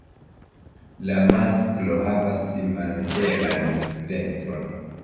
La masklo havas malhelan ventron.